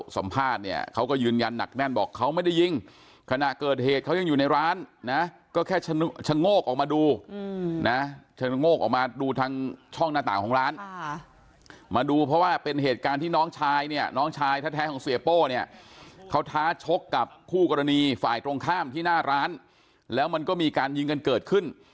ซึ่งขณะเกิดเหตุเขายังอยู่ในร้านนะก็แค่ชะโงกออกมาดูนะชะโงกออกมาดูทางช่องหน้าต่างของร้านมาดูเพราะว่าเป็นเหตุการณ์ที่น้องชายเนี่ยน้องชายท่าแท้ของเสียโป้เนี่ยเขาท้าชกกับคู่กรณีฝ่ายตรงข้ามที่หน้าร้านแล้วมันก็มีการยิงกันเกิดขึ้น